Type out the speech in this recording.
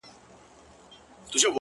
زما گلاب ،گلاب دلبره نور به نه درځمه،